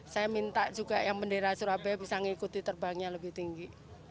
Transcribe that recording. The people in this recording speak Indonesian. saya minta juga yang bendera surabaya bisa mengikuti terbangnya lebih tinggi